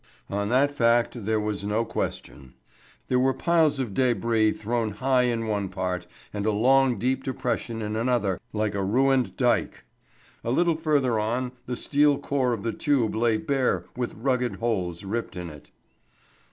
Of that fact there was no question. There were piles of débris thrown high in one part, and a long deep depression in another like a ruined dyke. A little further on the steel core of the tube lay bare with rugged holes ripped in it.